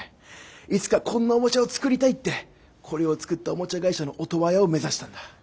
いつかこんなおもちゃを作りたいってこれを作ったおもちゃ会社のオトワヤを目指したんだ。